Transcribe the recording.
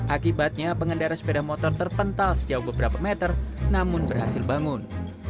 akibatnya pengendara sepeda motor terpental sejauh beberapa meter namun berhasil bangun